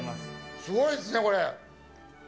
すごいですね、これ。